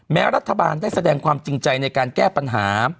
รัฐบาลได้แสดงความจริงใจในการแก้ปัญหา